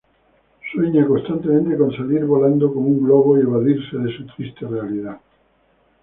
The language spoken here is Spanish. Sueña constantemente con salir volando como un globo y evadirse de su triste realidad.